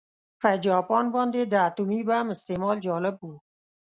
په جاپان باندې د اتومي بم استعمال جالب و